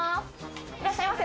いらっしゃいませ。